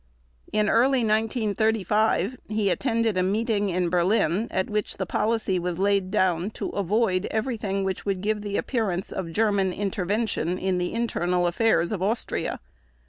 In early 1935 he attended a meeting in Berlin at which the policy was laid down to avoid everything which would give the appearance of German intervention in the internal affairs of Austria.